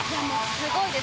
すごいです！